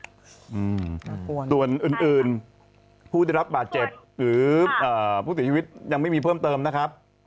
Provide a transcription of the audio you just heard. อืมส่วนอื่นผู้ได้รับปลาเจ็บหรืออ่าผู้สิทธิวิตยังไม่มีเพิ่มเติมนะครับ